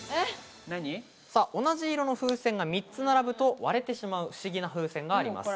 同じ色の風船が３つ並ぶと割れてしまう不思議な風船があります。